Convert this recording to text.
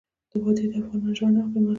وادي د افغانانو ژوند اغېزمن کوي.